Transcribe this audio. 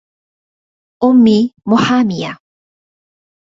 امي محامية